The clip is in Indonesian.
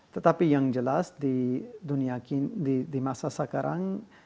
tetapi yang jelas di dunia di masa sekarang